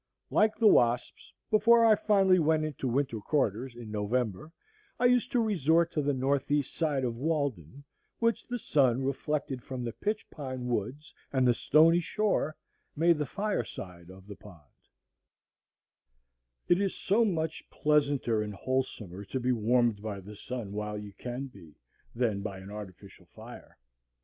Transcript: Like the wasps, before I finally went into winter quarters in November, I used to resort to the north east side of Walden, which the sun, reflected from the pitch pine woods and the stony shore, made the fire side of the pond; it is so much pleasanter and wholesomer to be warmed by the sun while you can be, than by an artificial fire.